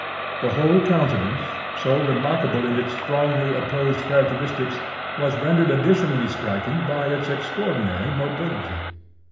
The whole countenance—so remarkable in its strongly opposed characteristics—was rendered additionally striking by its extraordinary mobility.